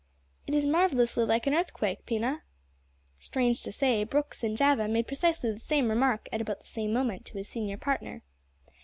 "It is marvellously like an earthquake, Pina." Strange to say, Brooks in Java made precisely the same remark, at about the same moment, to his senior partner.